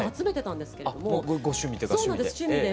ご趣味っていうか趣味で。